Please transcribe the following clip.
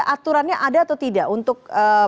aturannya ada atau tidak untuk